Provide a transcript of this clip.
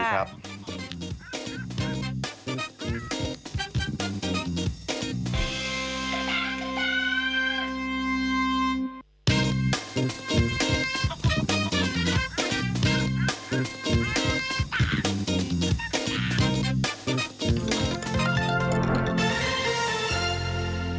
พรุ่งนี้เจอกันค่ะสวัสดีค่ะ